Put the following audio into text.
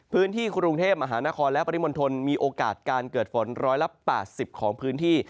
พื้นที่กรุงเทพมหานครและปริมณฑลมีโอกาสการเกิดฝน๑๘๐ของพื้นที่